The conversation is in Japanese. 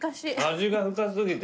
味が深過ぎて。